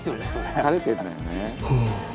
「疲れてるんだよね」